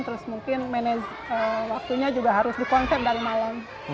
terus mungkin manajer waktunya juga harus di konsep dari malam